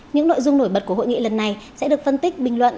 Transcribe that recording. những nội dung nổi bật của hội nghị lần này sẽ được phân tích bình luận